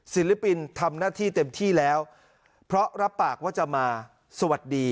ศิลปินทำหน้าที่เต็มที่แล้วเพราะรับปากว่าจะมาสวัสดี